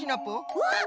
うわっ！